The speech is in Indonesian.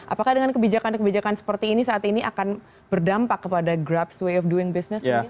apakah dengan kebijakan kebijakan seperti ini saat ini akan berdampak kepada grabs wave of doing business